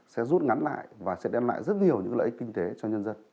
sẽ rút ngắn lại và sẽ đem lại rất nhiều những lợi ích kinh tế cho nhân dân